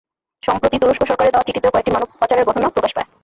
সম্প্রতি তুরস্ক সরকারের দেওয়া চিঠিতেও কয়েকটি মানব পাচারের ঘটনা প্রকাশ পায়।